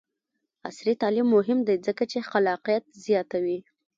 عصري تعلیم مهم دی ځکه چې خلاقیت زیاتوي.